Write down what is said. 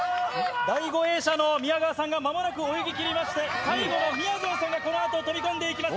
第５泳者の宮川さんが、まもなく泳ぎきりまして、最後のみやぞんさんがこのあと、飛び込んでいきます。